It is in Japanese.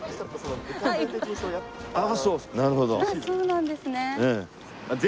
そうなんですね。